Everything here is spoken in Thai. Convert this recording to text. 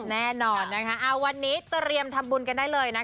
แน่นอนนะคะวันนี้เตรียมทำบุญกันได้เลยนะคะ